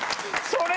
それ！